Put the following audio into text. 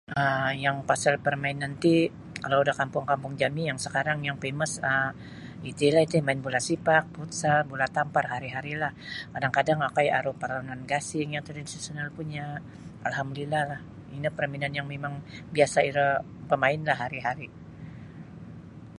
um yang pasal parmainan ti, kalau da kampung-kampung jami yang sekarang yang pemes um iti laiti main bula sipak, futsal, bula tampar hari-hari lah kadang kadang okoi aru parmainan gasing yang tradisional punya Alhamdulillah lah ino permainan yang mimang biasa iro tamain lah hari hari